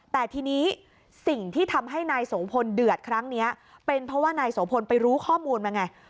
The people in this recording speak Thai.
แต่ทีนี้สิ่งที่ทำให้นายโสพลเดือดครั้งนี้เป็นเพราะว่านายโสพลไปรู้ข้อมูลมาไง